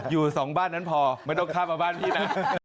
อยู่สองบ้านนั้นพอไม่ต้องข้ามมาบ้านพี่นะ